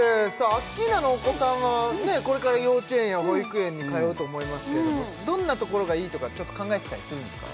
アッキーナのお子さんはこれから幼稚園や保育園に通うと思いますけどどんなところがいいとか考えてたりするんですか？